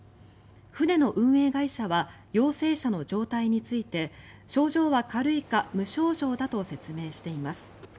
船の運営会社は陽性者の状態について症状は軽いか無症状だと説明しています。